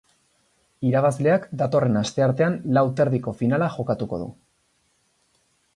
Irabazleak datorren asteartean lau terdiko finala jokatuko du.